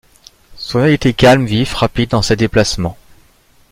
Son œil était calme, vif, rapide dans ses déplacements